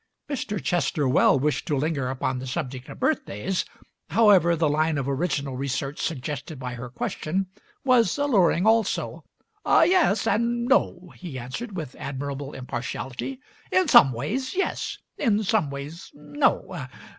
Mr. Chester well wished to linger upon the sub Digitized by Google MARY SMITH 148 ject of birthdays; however, the line of original research suggested by her question was alluring also. "Yes — and no," he answered with admirable impartiality. "In some ways, yes. In some ways, no.